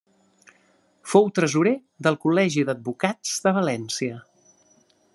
Fou tresorer del Col·legi d'Advocats de València.